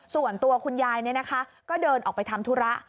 ส่วนตัวคุณยายเนี่ยนะคะก็เดินออกไปทำธุระ